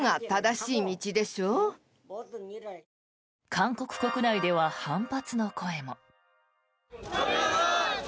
韓国国内では反発の声も。